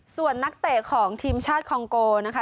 ส่วนนักเตะของทีมชาติคองโกนะคะ